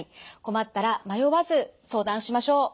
困ったら迷わず相談しましょう。